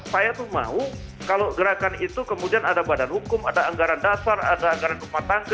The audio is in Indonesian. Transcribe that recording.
saya tuh mau kalau gerakan itu kemudian ada badan hukum ada anggaran dasar ada anggaran rumah tangga